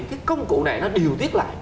cái công cụ này nó điều tiết lại